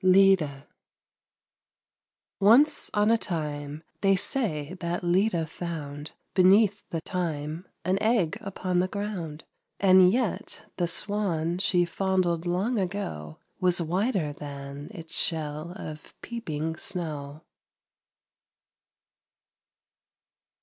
LEDA Once on a time They say that Leda found Beneath the thyme An egg upon the ground; And yet the swan She fondled long ago Was whiter than Its shell of peeping snow.